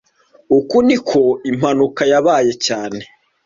Uku niko impanuka yabaye cyane